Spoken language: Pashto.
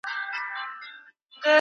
ګرګين ولي د دوی له پلانه خبر نه سو؟